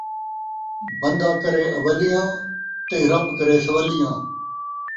بن٘دہ کرے اوّلیاں، تے رب کرے سوّلیاں